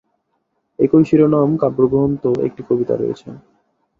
একই শিরোনাম কাব্যগ্রন্থে একটি কবিতা রয়েছে।